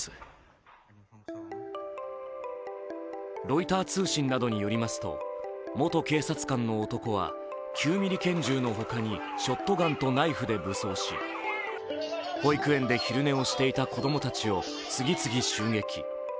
ロイター通信などによりますと元警察官の男は９ミリ拳銃のほかにショットガンとナイフで武装し保育園で昼寝をしていた子供たちを次々襲撃。